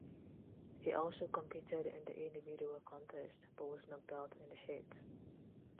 He also competed in the individual contest, but was knocked out in the heats.